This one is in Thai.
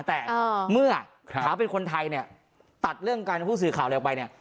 แต่เมื่อเขาเป็นคนไทยเนี่ยตัดเรื่องการเป็นผู้สื่อข่าวอะไรออกไปเนี่ย